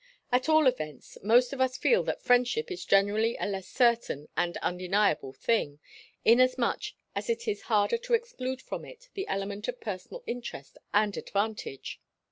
At all events, most of us feel that friendship is generally a less certain and undeniable thing, inasmuch as it is harder to exclude from it the element of personal interest and advantage.